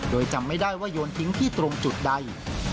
โดยจำไม่ได้ว่าโยนทิ้งที่ตรงจุดใด